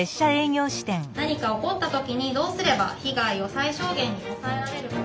何か起こった時にどうすれば被害を最小限に抑えられるか。